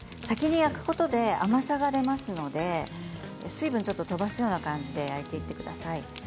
先に焼くことで甘さが出ますので水分をちょっと飛ばすような感じで焼いていってください。